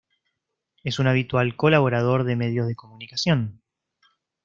Es un habitual colaborador de medios de comunicación.